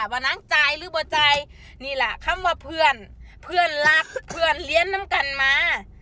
ว่าน้ำใจหรือบ่ใจนี่แหละคำว่าเพื่อนเพื่อนรักเพื่อนเลี้ยงน้ำกันมา